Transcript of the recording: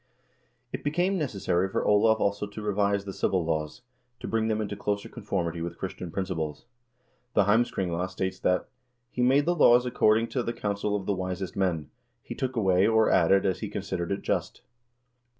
It became necessary for Olav also to revise the civil laws, to bring them into closer conformity with Christian principles. The " Heims kringla" states that "he made the laws according to the counsel of the wisest men ; he took away, or added, as he considered it just."